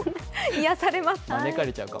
癒やされました。